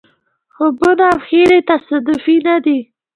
خوبونه او هیلې تصادفي نه دي.